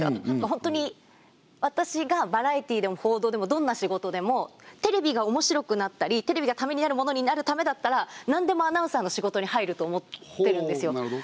本当に私がバラエティーでも報道でもどんな仕事でもテレビが面白くなったりテレビがためになるものになるためだったら何でもアナウンサーの仕事に入ると思ってるんですよ。